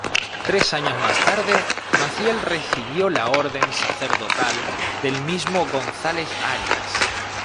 Tres años más tarde, Maciel recibió la orden sacerdotal del mismo González Arias.